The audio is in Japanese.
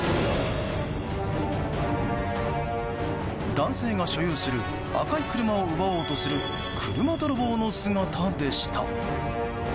男性が所有する赤い車を奪おうとする車泥棒の姿でした。